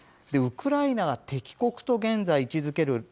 ウクライナが敵国と現在位置づける